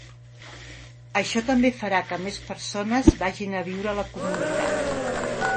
Això també farà que més persones vagin a viure a la comunitat.